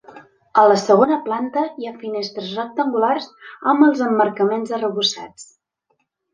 A la segona planta hi ha finestres rectangulars amb els emmarcaments arrebossats.